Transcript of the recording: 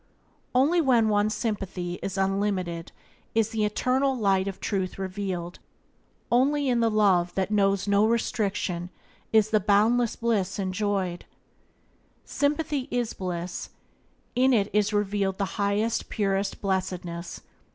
Only when one's sympathy is unlimited is the Eternal Light of Truth revealed; only in the Love that knows no restriction is the boundless bliss enjoyed. Sympathy is bliss; in it is revealed the highest, purest blessedness.